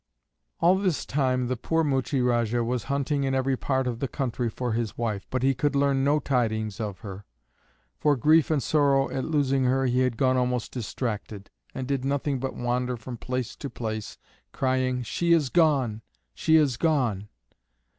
All this time the poor Muchie Rajah was hunting in every part of the country for his wife, but he could learn no tidings of her. For grief and sorrow at losing her he had gone almost distracted, and did nothing but wander from place to place, crying, "She is gone! she is gone!"